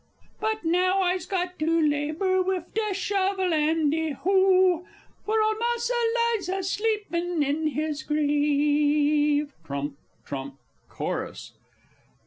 But now I'se got to labour wif the shovel an' de hoe For ole Massa lies a sleepin' in his grave! [Trump trump!_ _Chorus.